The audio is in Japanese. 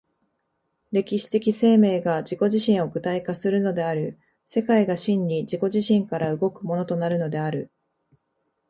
歴史的生命が自己自身を具体化するのである、世界が真に自己自身から動くものとなるのである。